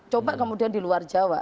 coba kemudian di luar jawa